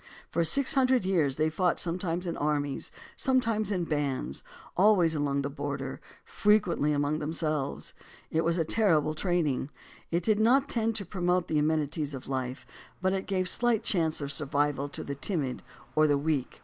For six hundred years they fought, sometimes in armies, sometimes in bands, always along the border, frequently among themselves. It was a terrible training. It did not tend to promote the amenities of life, but it gave shght chance of survival to the timid or the weak.